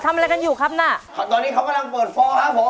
ตอนนี้เขากำลังเปิดฟอร์ครับผม